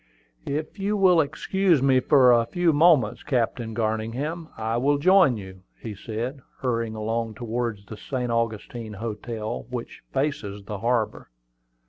"If you will excuse me for a few moments, Captain Garningham, I will join you," said he, hurrying along towards the St. Augustine Hotel, which faces the harbor.